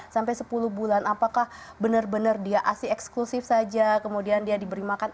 sampai sepuluh bulan apakah benar benar dia asli eksklusif saja kemudian dia diberi makan